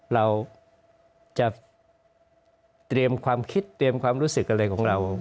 เราจะเตรียมความคิดเตรียมความรู้สึกอะไรของเรา